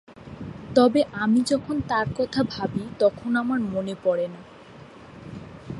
তবে আমি যখন তার কথা ভাবি তখন আমার মনে পড়ে না।